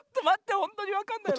ほんとにわかんないわ。